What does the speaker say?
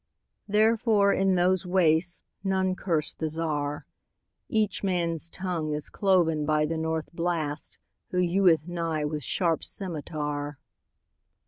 Therefore, in those wastesNone curse the Czar.Each man's tongue is cloven byThe North Blast, who heweth nighWith sharp scymitar.